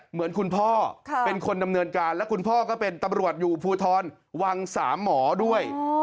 เหมือนคุณพ่อเป็นคนดำเนินการและคุณพ่อก็เป็นตำรวจอยู่ภูทรวังสามหมอด้วย